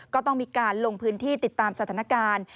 ก็ต้องมีการลงพื้นที่ติดตามสถานการณ์